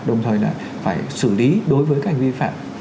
đồng thời là phải xử lý đối với các hành vi phạm